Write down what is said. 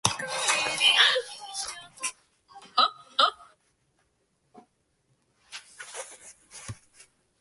私はロボットではありません